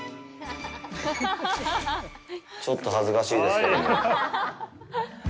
ちょっと恥ずかしいですけども。